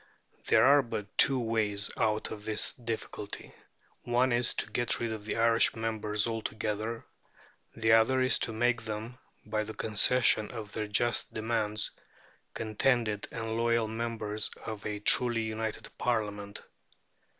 There are but two ways out of the difficulty. One is to get rid of the Irish members altogether; the other is to make them, by the concession of their just demands, contented and loyal members of a truly united Parliament.